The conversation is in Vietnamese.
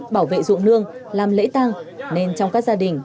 bảo vệ ruộng nương làm lễ tăng nên trong các gia đình